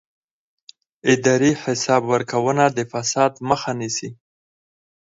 اداري حساب ورکونه د فساد مخه نیسي